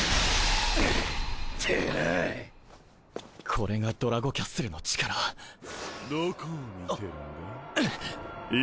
これがドラゴキャッスルの力どこを見てるんだ？